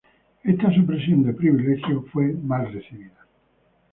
Esta supresión de privilegios fue mal recibida.